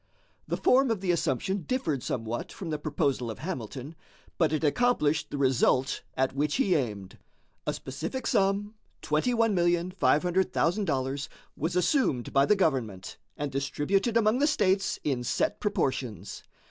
The form of the assumption differed somewhat from the proposal of Hamilton, but it accomplished the result at which he aimed. A specific sum, $21,500,000, was assumed by the government and distributed among the states in set proportions.